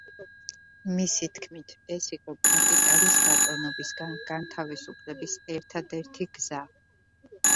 მისი თქმით, ეს იყო „კაპიტალის ბატონობისგან განთავისუფლების ერთადერთი გზა“.